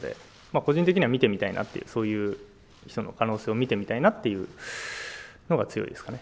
個人的には見てみたいなという、そういう人の可能性を見てみたいなっていうのが強いですかね。